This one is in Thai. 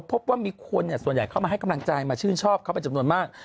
พบว่ามีคนส่วนใหญ่เข้ามาให้กำลังใจมาชื่นชอบเขาเป็นจำนวนมาก